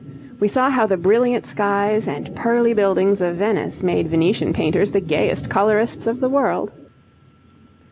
We saw how the brilliant skies and pearly buildings of Venice made Venetian painters the gayest colourists of the world.